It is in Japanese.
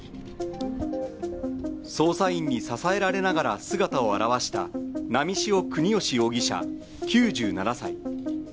捜査員に支えられながら姿を現した波汐國芳容疑者９７歳。